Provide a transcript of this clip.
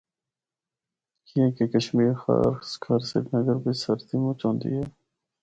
کیانکہ کشمیر خاص کر سرینگر بچ سردی مُچ ہوندی اے۔